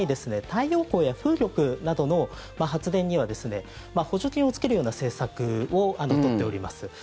太陽光や風力などの発電には補助金をつけるような政策を取っております。